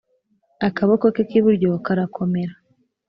akaboko ke k’iburyo karakomera,